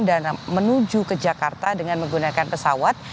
dan menuju ke jakarta dengan menggunakan pesawat